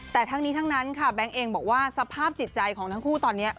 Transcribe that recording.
แต่ทั้งนี้ทั้งนั้นค่ะแบงค์เองบอกว่าสภาพจิตใจของทั้งคู่ตอนนี้